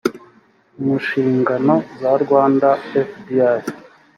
mu nshingano za rwanda fda